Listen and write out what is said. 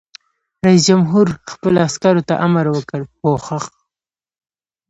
رئیس جمهور خپلو عسکرو ته امر وکړ؛ پوښښ!